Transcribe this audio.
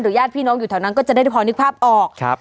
ญาติพี่น้องอยู่แถวนั้นก็จะได้พอนึกภาพออกครับ